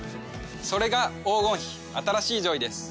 それが黄金比新しいジョイです。